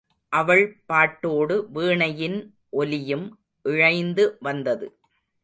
அவள் பாட்டோடு வீணையின் ஒலியும் இழைந்து வந்தது.